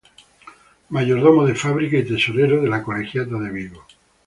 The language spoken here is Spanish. Mayordomo de Fábrica y Tesorero de la Colegiata de Vigo.